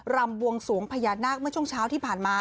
รำบวงสวงพญานาคเมื่อช่วงเช้าที่ผ่านมา